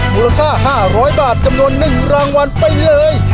มูลค่า๕๐๐บาทจำนวน๑รางวัลไปเลย